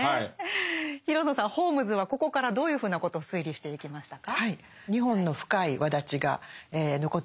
ホームズはここからどういうふうなことを推理していきましたか？